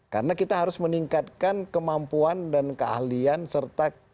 karena kita harus meningkatkan kemampuan dan keahlian serta survival ability